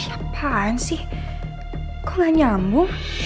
ngapain sih kok gak nyamu